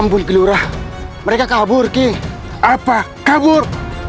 ampun gelurah mereka kabur ki apa kabur